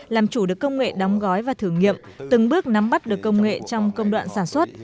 làm chủ được công nghệ đóng gói và thử nghiệm từng bước nắm bắt được công nghệ trong công đoạn sản xuất